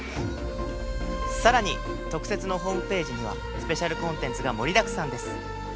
更に特設のホームページにはスペシャルコンテンツが盛りだくさんです。